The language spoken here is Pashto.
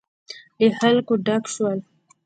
له خلکو ډک شول.